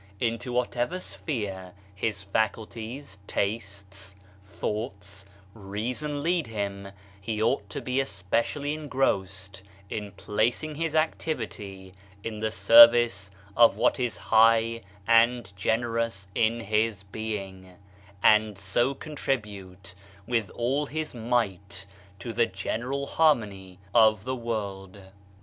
Into whatever sphere his faculties, tastes, thoughts, reason lead him, he ought to be especially engrossed in placing his activity in the service of what is high and generous in his being, and so contribute with all his might to the general harmony of the world.